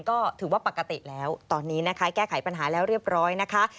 ก็ถือว่าปกติแล้วตอนนี้นะคะแก้ไขปัญหาแล้วเรียบร้อยนะคะ